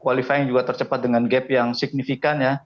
qualifying juga tercepat dengan gap yang signifikan ya